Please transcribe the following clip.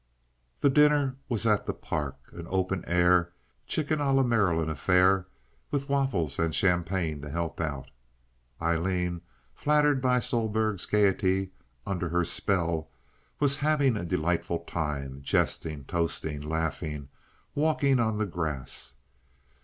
The dinner was at the Park—an open air chicken a la Maryland affair, with waffles and champagne to help out. Aileen, flattered by Sohlberg's gaiety under her spell, was having a delightful time, jesting, toasting, laughing, walking on the grass.